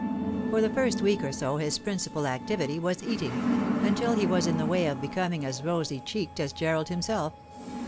For the first week or so his principal activity was eating, until he was in the way of becoming as rosy cheeked as Gerald himself.